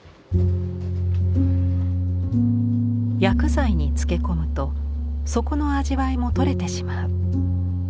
薬剤につけ込むと底の味わいも取れてしまう。